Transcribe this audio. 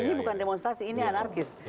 ini bukan demonstrasi ini anarkis